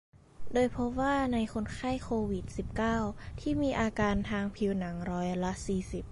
โดยพบว่าในคนไข้โควิด สิบเก้า ที่มีอาการทางผิวหนังร้อยละ สี่สิบ